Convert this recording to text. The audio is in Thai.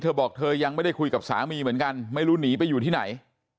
เธอบอกเธอยังไม่ได้คุยกับสามีเหมือนกันไม่รู้หนีไปอยู่ที่ไหน